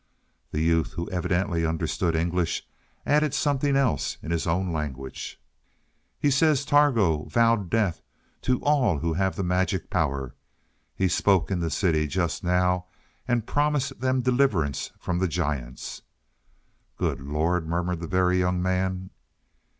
The youth, who evidently understood English, added something else in his own language. "He says Targo vowed death to all who have the magic power. He spoke in the city just now, and promised them deliverance from the giants." "Good Lord," murmured the Very Young Man.